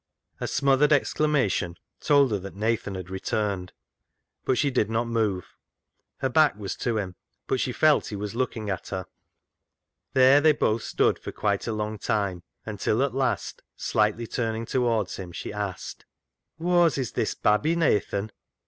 A smothered exclamation told her that Nathan had returned. But she did not move. Her back was to him, but she felt he was looking at her. There they both stood for quite a long time, until at last, slightly turning towards him, she asked — TATTY ENTWISTLE'S RETURN 121 " Whoa's is this babby, Nathan